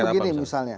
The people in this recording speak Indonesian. kan begini misalnya